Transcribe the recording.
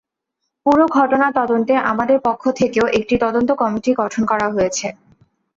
পুরো ঘটনা তদন্তে আমাদের পক্ষ থেকেও একটি তদন্ত কমিটি গঠন করা হয়েছে।